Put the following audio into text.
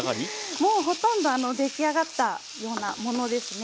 もうほとんど出来上がったようなものですね。